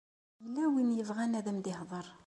Yella win i yebɣan ad m-d-ihḍeṛ.